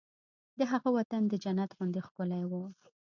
د هغه وطن د جنت غوندې ښکلی و